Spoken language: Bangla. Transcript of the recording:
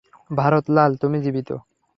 ভারত লাল, তুমি জীবিত।